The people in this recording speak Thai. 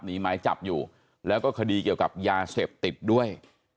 หมายจับอยู่แล้วก็คดีเกี่ยวกับยาเสพติดด้วย